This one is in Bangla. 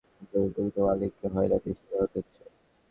এখন জমা খারিজ করতে গিয়ে জমির প্রকৃত মালিককে হয়রানির শিকার হতে হচ্ছে।